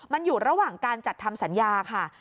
มันอยู่ระหว่างการจัดทำสัญญาค่ะ